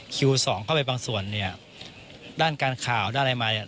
คิวสองเข้าไปบางส่วนเนี้ยด้านการข่าวด้านอะไรมาเนี้ย